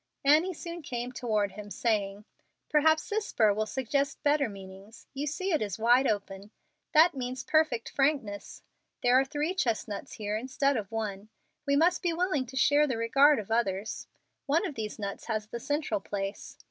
Annie soon came toward him, saying, "Perhaps this burr will suggest better meanings. You see it is wide open. That means perfect frankness. There are three chestnuts here instead of one. We must be willing to share the regard of others. One of these nuts has the central place.